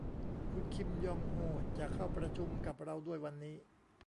คุณคิมยองโฮจะเข้าประชุมกับเราด้วยวันนี้